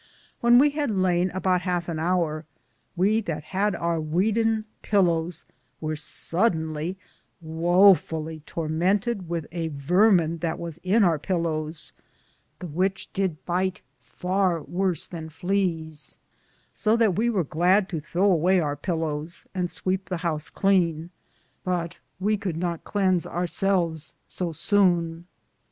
When we had layne about halfe an houre, we that had our weeden pillowes weare sodonly wonderfully tormented with a varmen that was in our pillowes, the which did bite farr Worss than fleaes, so that we weare glad to throw awaye our pillowes, and swepe the house cleane ; but we could not dense our selves so soWne.